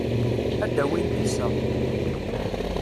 Ad d-awint iseɣ.